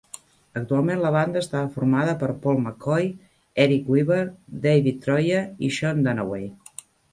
Actualment la banda està formada per Paul McCoy, Eric Weaver, David Troia i Sean Dunaway.